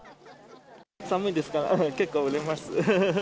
寒いですから、結構売れます。